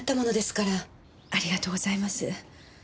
ありがとうございます。